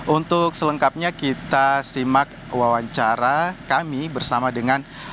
untuk selengkapnya kita simak wawancara kami bersama dengan